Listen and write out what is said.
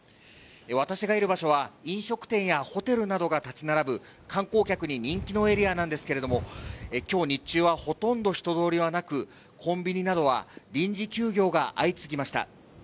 私がいる場所は飲食店やホテルなどが建ち並ぶ観光客に人気のエリアなんですけど、今日日中はほとんど人通りはなくコンビニなどは臨時休業が相次ぎました。